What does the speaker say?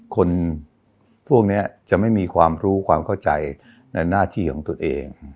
คนพวกนี้จะไม่มีความรู้ความเข้าใจในหน้าที่ของตนเอง